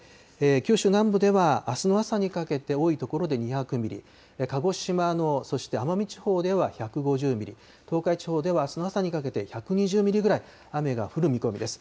九州南部ではあすの朝にかけて、多い所で２００ミリ、鹿児島のそして奄美地方では１５０ミリ、東海地方ではあすの朝にかけて１２０ミリぐらい雨が降る見込みです。